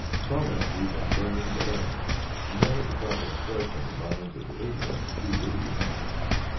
From it, we had learned the lesson never to try to impress on the minds of the ignorant too weighty matters.